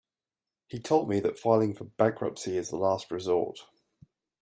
He told me that filing for bankruptcy is the last resort.